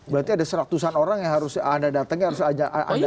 berarti ada seratusan orang yang harus anda datangnya harus anda ajak apa